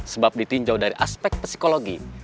sebab ditinjau dari aspek psikologi